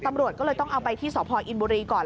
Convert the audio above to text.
ตำรวจก็เลยต้องเอาไปที่สพอินบุรีก่อน